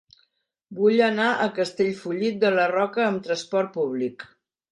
Vull anar a Castellfollit de la Roca amb trasport públic.